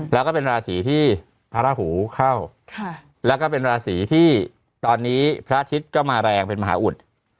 แล้วก็เป็นราศีที่พระราหูเข้าแล้วก็เป็นราศีที่ตอนนี้พระอาทิตย์ก็มาแรงเป็นมหาอุด